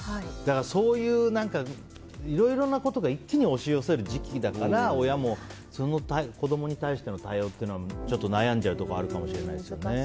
そういういろいろなことが一気に押し寄せる時期だから親も、子供に対しての対応にちょっと悩んじゃうところあるかもしれませんね。